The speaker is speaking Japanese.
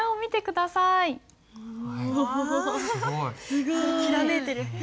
すごい！きらめいてる。